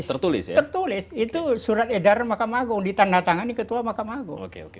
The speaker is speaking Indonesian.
tertulis itu surat edaran mahkamah agung ditanda tangan ini ketua mahkamah agung